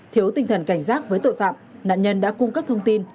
thiếu tinh thần cảnh giác với tội phạm nạn nhân đã cung cấp thông tin